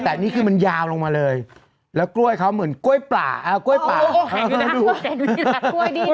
แต่นี่คือมันยาวลงมาเลยแล้วกล้วยเขาเหมือนกล้วยป่ากล้วยป่าแพงด้วยนะ